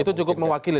itu cukup mewakili